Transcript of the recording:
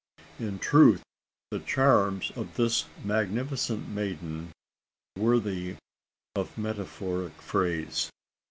In truth, the charms of this magnificent maiden were worthy of metaphoric phrase.